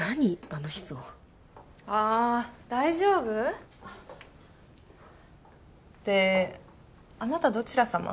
あの人あ大丈夫？であなたどちら様？